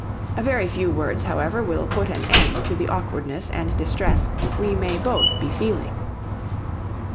A very few words, however, will put an end to the awkwardness and distress we may both be feeling.'